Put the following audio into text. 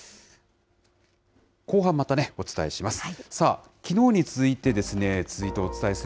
後半またね、お伝えします。